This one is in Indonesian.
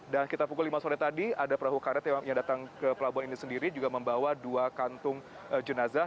dan kita pukul lima sore tadi ada perahu karet yang datang ke pelabuhan ini sendiri juga membawa dua kantong jenazah